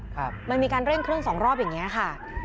ครับมันมีการเร่งเครื่องสองรอบอย่างเงี้ยค่ะ